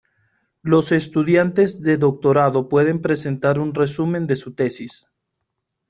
Los estudiantes de doctorado pueden presentar un resumen de sus tesis.